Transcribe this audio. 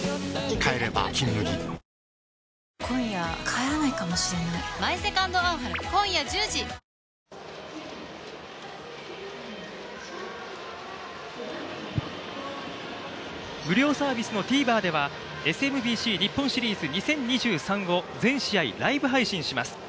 帰れば「金麦」無料サービスのＴＶｅｒではＳＭＢＣ日本シリーズ２０２３の全試合をライブ配信します。